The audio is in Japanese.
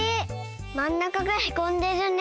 まん中がへこんでるね。